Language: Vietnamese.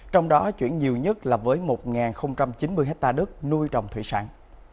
trong đó chuyển nhiều nhất là với một chín mươi hectare đất nuôi trồng thủy sản